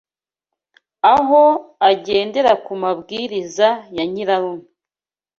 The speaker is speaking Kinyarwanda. aho agendera ku mabwiriza ya nyirarume